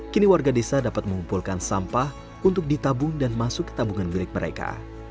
kini warga desa dapat mengumpulkan sampah untuk ditabung dan masuk ke tabungan milik mereka